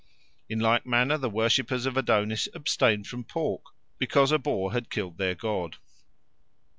In like manner the worshippers of Adonis abstained from pork, because a boar had killed their god.